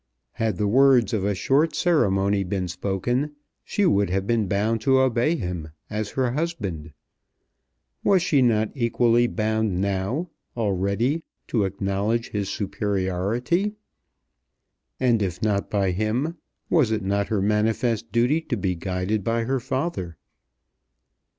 Had the words of a short ceremony been spoken, she would have been bound to obey him as her husband. Was she not equally bound now, already, to acknowledge his superiority, and if not by him, was it not her manifest duty to be guided by her father?